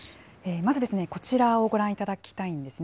まずこちらをご覧いただきたいんですね。